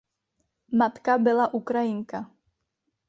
Matka byla Ukrajinka.